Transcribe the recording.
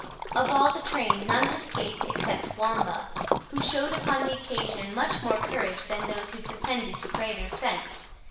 Of all the train none escaped except Wamba, who showed upon the occasion much more courage than those who pretended to greater sense.